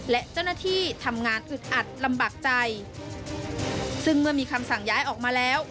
และเจ้าหน้าที่ทำงานอึดอัดลำบากใจซึ่งเมื่อมีคำสั่งย้ายออกมาแล้ว